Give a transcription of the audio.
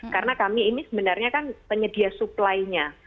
karena kami ini sebenarnya kan penyedia supply nya